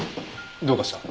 どうかした？